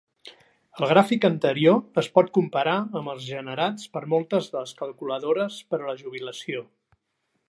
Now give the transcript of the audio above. El gràfic anterior es pot comparar amb els generats per moltes de les calculadores per a la jubilació.